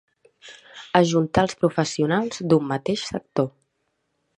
Ajuntar els professionals d'un mateix sector.